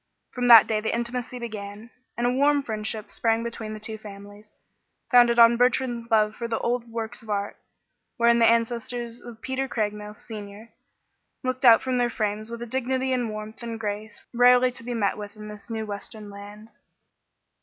From that day the intimacy began, and a warm friendship sprang up between the two families, founded on Bertrand's love for the old works of art, wherein the ancestors of Peter Craigmile, Senior, looked out from their frames with a dignity and warmth and grace rarely to be met with in this new western land.